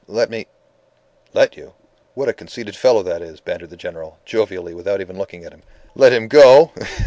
"Let me " "Let you? What a conceited fellow that is," bantered the General, jovially, without even looking at him. "Let him go!